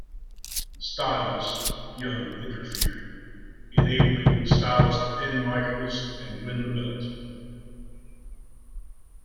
Styles, Young interfered, enabling Styles to pin Michaels and win the belt.